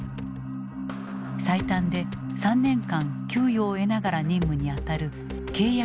最短で３年間給与を得ながら任務にあたる契約軍人。